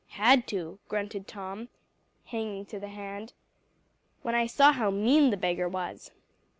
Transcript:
"Had to," grunted Tom, hanging to the hand, "when I saw how mean the beggar was."